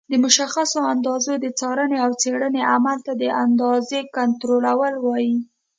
د مشخصو اندازو د څارنې او څېړنې عمل ته د اندازې کنټرول وایي.